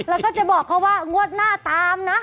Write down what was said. แล้วก็จะบอกเขาว่างวดหน้าตามนะ